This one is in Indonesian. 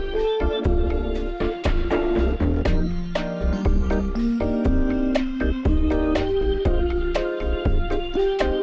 dan ini dia saya kasih resep dan cara membuatnya